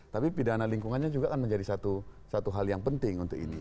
tapi pidana lingkungannya juga kan menjadi satu hal yang penting untuk ini